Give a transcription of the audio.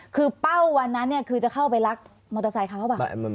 คือเป้าวันนั้นคือจะเข้าไปรักมอเตอร์ไซค์เขาหรือเปล่า